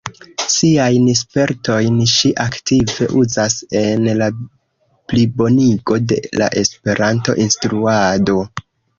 Siajn spertojn ŝi aktive uzas en la plibonigo de la Esperanto-instruado.